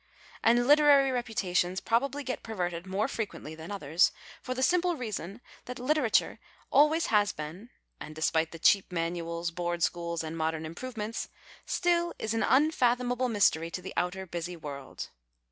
And literary reputations j)robably get perverted more fre(juently than others, for the simple reason that literature always has been and (despite the cheap manuals. Board schools, and the modern improvements) still is an unfathomable mystery to the outer busy world.